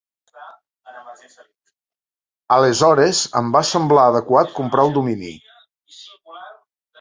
Aleshores em va semblar adequat comprar el domini.